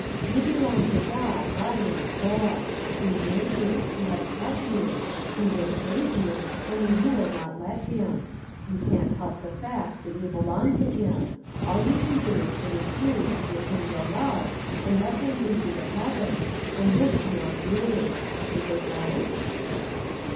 You belong to God, body and soul: He made you; He has kept you; He would save you, only you will not let Him. You can't help the fact that you belong to Him; all you can do is to refuse to give Him your love, and let Him lead you to heaven, and this you are doing. Is it right?"